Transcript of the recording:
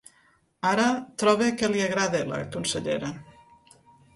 Ara troba que li agrada, la consellera.